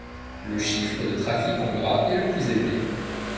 Le chiffre de trafic en gras est le plus élevé.